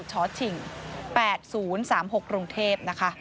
ชฉิ่ง๘๐๓๖กรุงเทพฯ